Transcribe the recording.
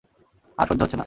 আর সহ্য হচ্ছে না!